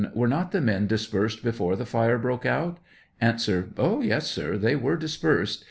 Were not the men dispersed before the fire broke out? A. Oh, yes, sir ; they were dispersed.